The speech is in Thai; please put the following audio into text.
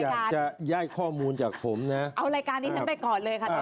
อยากจะแยกข้อมูลจากผมนะเอารายการนี้ฉันไปก่อนเลยค่ะ